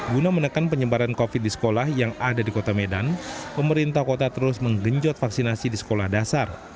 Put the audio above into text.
guna menekan penyebaran covid di sekolah yang ada di kota medan pemerintah kota terus menggenjot vaksinasi di sekolah dasar